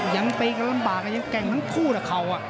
ยังไปก็ลำบากยังแก่งทั้งคู่เถอะเขา